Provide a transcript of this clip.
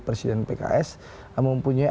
presiden pks mempunyai